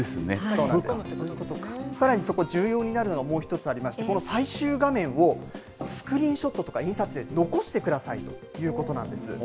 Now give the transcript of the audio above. さらにそこ、重要になるのが、もう一つありまして、この最終画面をスクリーンショットとか、印刷して残してくださいということなんです。